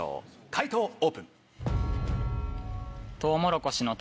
解答オープン。